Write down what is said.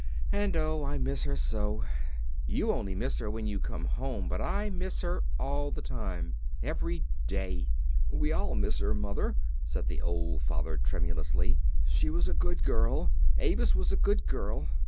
And oh! I miss her so. You only miss her when you come home, but I miss her all the time every day!" "We all miss her, Mother," said the old father, tremulously. "She was a good girl Avis was a good girl.